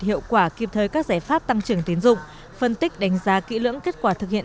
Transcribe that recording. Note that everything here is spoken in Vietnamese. hiệu quả kịp thời các giải pháp tăng trưởng tiến dụng phân tích đánh giá kỹ lưỡng kết quả thực hiện